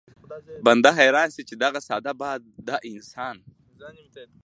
بنده حيران شي چې دغه ساده باده انسان